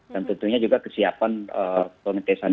dan tentunya juga kesiapan pengetesan itu